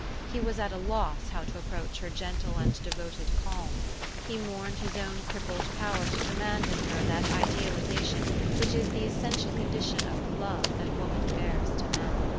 He was at a loss how to approach her gentle and devoted calm. He mourned his own crippled power to command in her that idealization which is the essential condi tion of the love that woman bears to man.